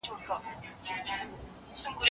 انا خپل مخ په لمانځه کې پټ کړی و.